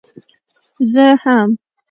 زه هم.